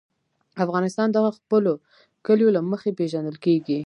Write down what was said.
افغانستان د خپلو کلیو له مخې پېژندل کېږي.